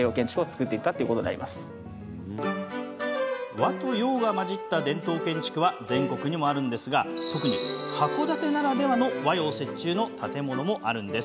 和と洋が混じった伝統建築は全国にもあるんですが特に函館ならではの和洋折衷の建物もあるんです。